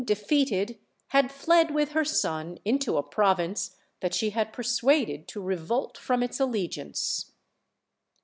defeated, had fled with her son into a province that she had persuaded to revolt from its alle giance.